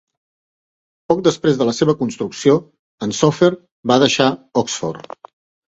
Poc després de la seva construcció, en Soffer va deixar Oxford.